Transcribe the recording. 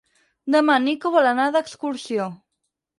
Demà en Nico vol anar d'excursió.